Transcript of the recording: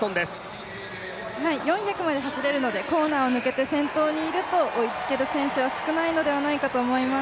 ４００まで走れるので、コーナーを抜けて先頭にいると追いつける選手は少ないと思います。